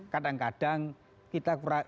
kadang kadang kita kurang